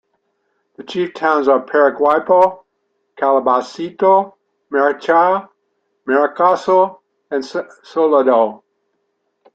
The chief towns are Paraguaipoa, Calabacito, Maricha, Marocaso and Soldado.